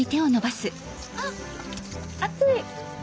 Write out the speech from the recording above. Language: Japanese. あっ熱い。